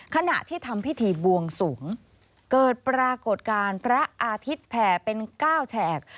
ขณะที่ทำพิธีบวงสวงเกิดปรากฏการณ์พระอาทิตย์แผ่เป็น๙แฉก